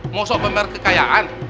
mau sok pameran kekayaan